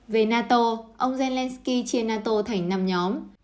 về nato ông zelensky chia nato thành năm nhóm